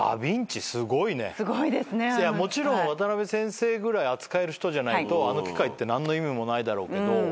もちろん渡邊先生ぐらい扱える人じゃないとあの機械って何の意味もないだろうけど。